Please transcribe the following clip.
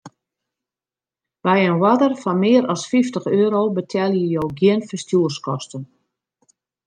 By in oarder fan mear as fyftich euro betelje jo gjin ferstjoerskosten.